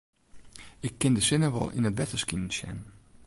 Ik kin de sinne wol yn it wetter skinen sjen.